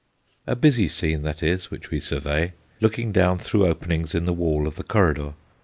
A busy scene that is which we survey, looking down through openings in the wall of the corridor.